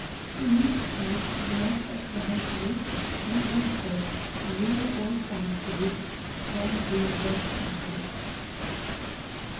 "In each case the master of the house reaped some benefit, real or fancied, from the other's death."